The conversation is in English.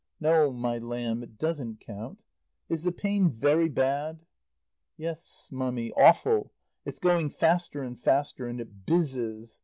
"No, my lamb, it doesn't count. Is the pain very bad?" "Yes, Mummy, awful. It's going faster and faster. And it bizzes.